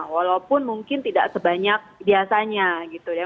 walaupun mungkin tidak sebanyak biasanya gitu ya